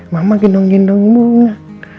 mama gendong gendong bunga